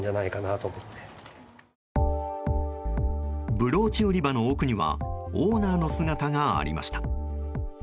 ブローチ売り場の奥にはオーナーの姿がありました。